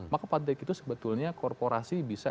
maka pantek itu sebetulnya korporasi bisa